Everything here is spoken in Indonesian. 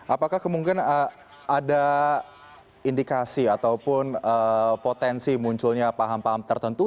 apakah kemungkinan ada indikasi ataupun potensi munculnya paham paham tertentu